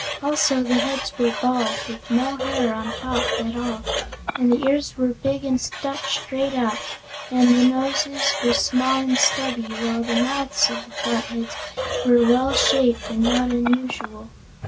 Also the heads were bald, with no hair on top at all, and the ears were big and stuck straight out, and the noses were small and stubby, while the mouths of the Flatheads were well shaped and not unusual.